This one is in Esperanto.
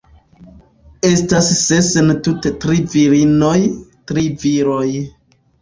Estas ses entute tri virinoj, tri viroj